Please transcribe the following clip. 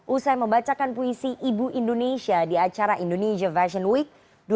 usai membacakan puisi ibu indonesia di acara indonesia fashion week dua ribu dua puluh